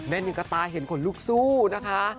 แม่นุ่งกระตาเห็นขนลูกซู่นะคะ